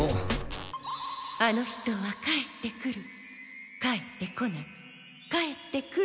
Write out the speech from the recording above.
あの人は帰ってくる帰ってこない帰ってくる。